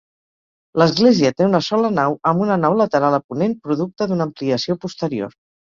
L'església té una sola nau amb una nau lateral a ponent producte d'una ampliació posterior.